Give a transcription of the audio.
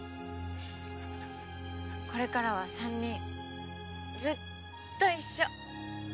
これからは３人ずっと一緒。